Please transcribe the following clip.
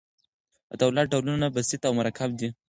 د دولت ډولونه بسیط او مرکب دي.